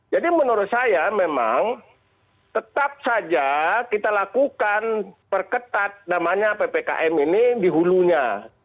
jadi menurut saya memang tetap saja kita lakukan perketat namanya ppkm ini di hulunya